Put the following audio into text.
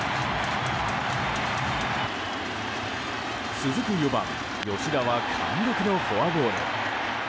続く４番、吉田は貫禄のフォアボール。